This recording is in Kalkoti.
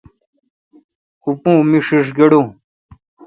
اوں پو می ݭیݭ گڑون۔